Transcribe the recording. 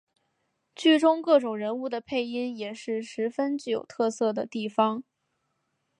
剧中各种人物的配音也是十分具有特色的地方。